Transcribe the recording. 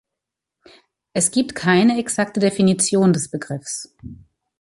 Es gibt keine exakte Definition des Begriffs.